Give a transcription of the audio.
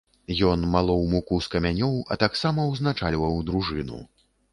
Ён малоў муку з камянёў, а таксама ўзначальваў дружыну.